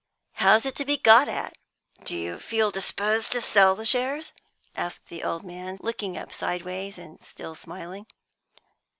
How is it to be got at?" "Do you feel disposed to sell the shares?" asked the old man, looking up sideways, and still smiling.